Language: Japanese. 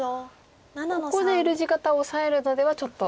ここでＬ字型オサえるのではちょっと。